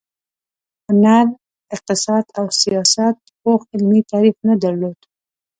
هنر، اقتصاد او سیاست پوخ علمي تعریف نه درلود.